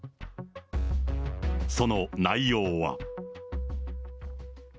その内容は。